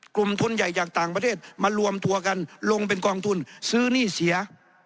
กลุ่มทุนใหญ่จากต่างประเทศมารวมตัวกันลงเป็นกองทุนซื้อหนี้เสีย